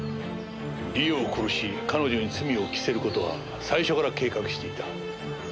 理恵を殺し彼女に罪を着せる事は最初から計画していた。